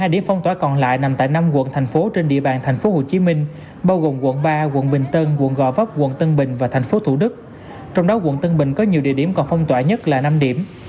hai điểm phong tỏa còn lại nằm tại năm quận thành phố trên địa bàn tp hcm bao gồm quận ba quận bình tân quận gò vấp quận tân bình và tp thủ đức trong đó quận tân bình có nhiều địa điểm còn phong tỏa nhất là năm điểm